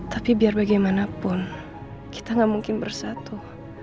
tapi biar bagaimanapun kita gak mungkin bersatu